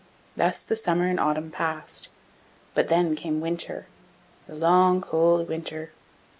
Thus the summer and autumn passed, but then came winter the long, cold winter.